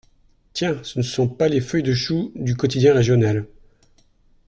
Tiens, ce ne sont pas les feuilles de choux du quotidien régional.